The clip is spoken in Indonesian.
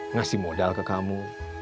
ngasih modal ke kamu